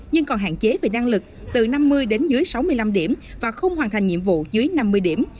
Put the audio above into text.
nhưng còn hạn chế về năng lực từ năm mươi đến dưới sáu mươi năm điểm và không hoàn thành nhiệm vụ dưới năm mươi điểm